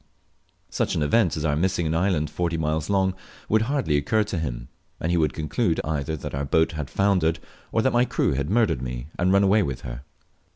Such an event as our missing an island forty miles long would hardly occur to him, and he would conclude either that our boat had foundered, or that my crew had murdered me and run away with her.